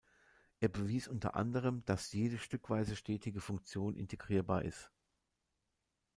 Er bewies unter anderem, dass jede stückweise stetige Funktion integrierbar ist.